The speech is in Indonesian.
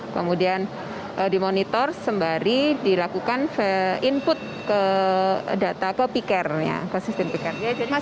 kemudian dimonitor sembari dilakukan input ke data ke picar